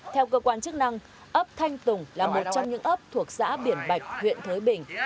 theo cơ quan chức năng ấp thanh tùng là một trong những ấp thuộc xã biển bạch huyện thới bình